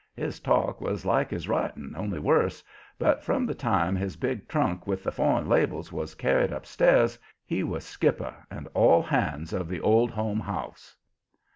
His talk was like his writing, only worse, but from the time his big trunk with the foreign labels was carried upstairs, he was skipper and all hands of the "Old Home House."